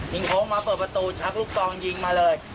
โค้งมาเปิดประตูชักลูกตองยิงมาเลย